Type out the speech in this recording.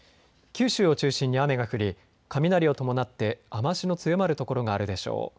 九州を中心に雨が降り雷を伴って雨足の強まる所があるでしょう。